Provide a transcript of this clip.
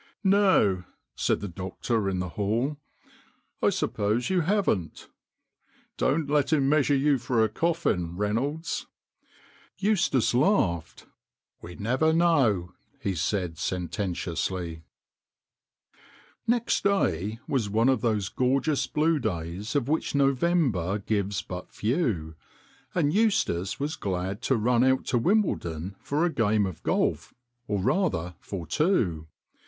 "No," said the doctor in the hall, "I suppose you haven't. Don't let him measure you for a coffin, Reynolds !" Eustace laughed. " We never know," he said sententiously. Ill Next day was one of those gorgeous blue days of which November gives but few, and Eustace was glad to run out to Wimbledon for a game of golf, or rather for two.